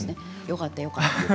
よかったよかった。